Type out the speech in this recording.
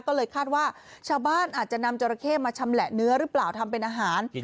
ก็เลยคาดว่าชาวบ้านอาจจะนำจราเข้มาชำแหละเนื้อหรือเปล่าทำเป็นอาหาร